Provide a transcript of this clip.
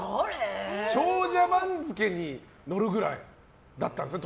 長者番付に載るぐらいだったんですね。